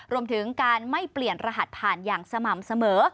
รวมถึงการไม่เปลี่ยนรหัสผ่านอย่างสม่ำเสมอ